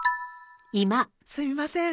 すみません。